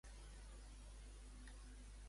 A què va dominar-se la seva ànima?